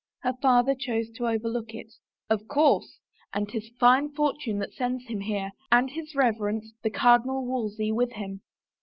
Her father chose to overlook it. " Of course — and • 'tis fine fortune that sends him here, and his reverence, the Cardinal Wolsey, with him.